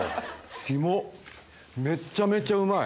肝めっちゃめちゃうまい。